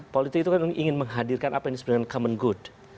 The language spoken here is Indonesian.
politik itu ingin menghadirkan apa yang sebenarnya common good